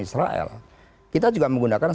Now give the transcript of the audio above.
israel kita juga menggunakan